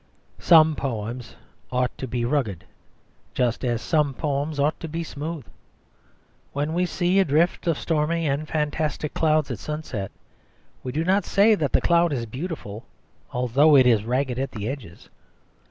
Some poems ought to be rugged, just as some poems ought to be smooth. When we see a drift of stormy and fantastic clouds at sunset, we do not say that the cloud is beautiful although it is ragged at the edges.